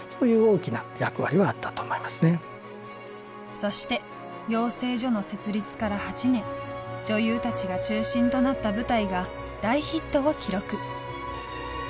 そして養成所の設立から８年女優たちが中心となった舞台が大ヒットを記録。